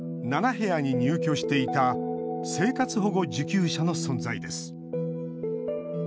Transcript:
部屋に入居していた生活保護受給者の存在です。